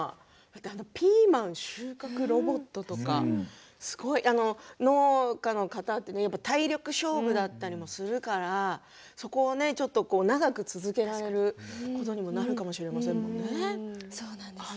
ピーマン収穫ロボットとかすごい。農家の方って体力勝負だったりもするからそこをちょっと長く続けられることにもなるかもしれませんものね。